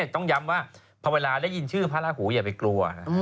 ดังนั้นต้องย้ำว่าเพราะเวลาได้ยินชื่อพระราหูอย่าไปกลัว